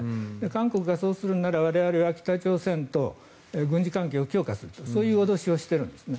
韓国がそうするなら我々は北朝鮮と軍事関係を強化するとそういう脅しをしてるんですね。